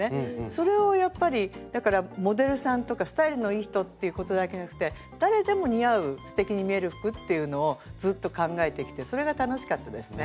それをやっぱりだからモデルさんとかスタイルのいい人っていうことだけじゃなくて誰でも似合うすてきに見える服っていうのをずっと考えてきてそれが楽しかったですね。